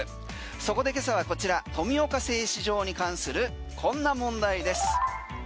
そこで今朝はこちら富岡製糸場に関するこんな問題です。